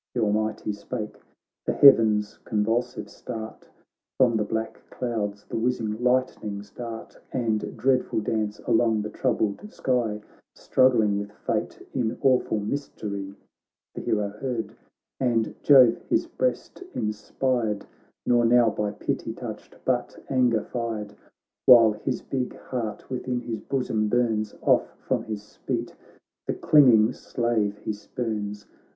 Th' Almighty spake — the heavens con vulsive start. From the black clouds the whizzing lightnings dart And dreadful dance along the troubled sky. Struggling with fate in awful mystery. The hero heard, and Jove his breast in spired. Nor now by pity touched, but anger fired ; BOOK I While his big heart within his bosom burns, Off from his feet the clinging slave he spurns.